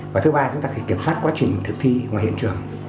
và thứ ba chúng ta phải kiểm soát quá trình thực thi ngoài hiện trường